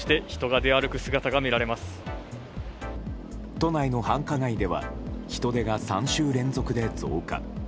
都内の繁華街では人出が３週連続で増加。